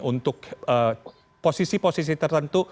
untuk posisi posisi tertentu